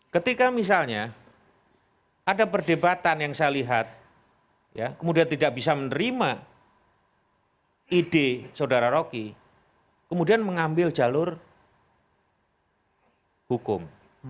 ketika misalnya ada perdebatan yang saya lihat ya kemudian tidak bisa menerima ide saudara rocky kemudian mengambil jalur hukum